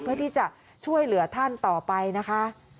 เพื่อที่จะช่วยเหลือท่านต่อไปนะคะ